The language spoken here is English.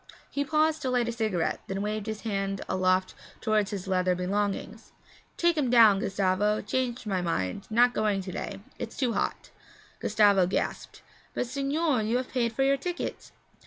He paused to light a cigarette, then waved his hand aloft toward his leather belongings. 'Take 'em down, Gustavo. Changed my mind; not going to day it's too hot.' Gustavo gasped. 'But, signore, you have paid for your ticket.'